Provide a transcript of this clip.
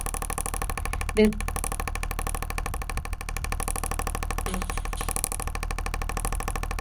Desde entonces ha trabajado como profesor en el Liceo Santa Cruz.